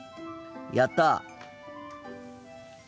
やった！